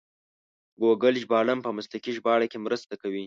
ګوګل ژباړن په مسلکي ژباړه کې مرسته کوي.